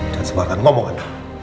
jangan sebarkan ngomongan